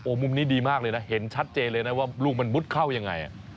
มุมนี้ดีมากเลยนะเห็นชัดเจนเลยนะว่าลูกมันมุดเข้ายังไง